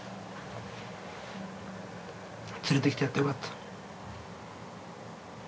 連れてきてやってよかった。